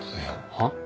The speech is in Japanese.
はっ？